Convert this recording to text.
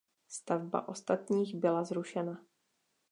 Stavba ostatních byla zrušena.